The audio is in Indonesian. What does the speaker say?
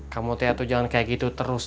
kamu tidak harus seperti itu terus